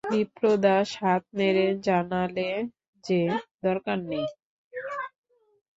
বিপ্রদাস হাত নেড়ে জানালে যে, দরকার নেই।